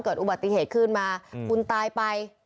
เกิดอุบัติเหตุขึ้นมาคุณตายไป